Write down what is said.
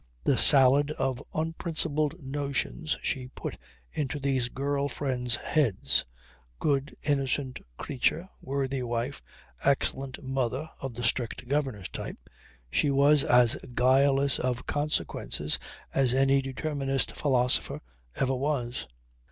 The salad of unprincipled notions she put into these girl friends' heads! Good innocent creature, worthy wife, excellent mother (of the strict governess type), she was as guileless of consequences as any determinist philosopher ever was.